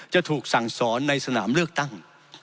จะถูกสั่งสอนในสนามเลือกตั้ง